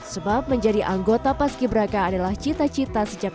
sebab menjadi anggota paski beraka adalah cita cita